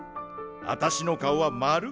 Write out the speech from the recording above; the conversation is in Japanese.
わたしの顔は丸。